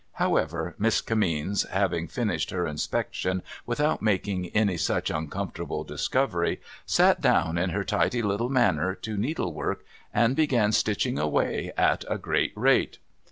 However, Miss Kinimeens having finished her inspection without making any such uncomfortable discovery, sat down in her tidy little manner to needlework, and began stitching away at a great rate.